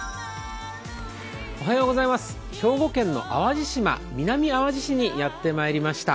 兵庫県の淡路島、南あわじ市にやってまいりました。